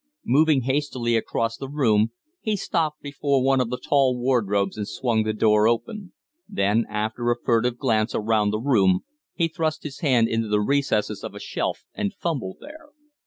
Moving hastily across the room, he stopped before one of the tall wardrobes and swung the door open; then after a furtive glance around the room he thrust his hand into the recesses of a shelf and fumbled there.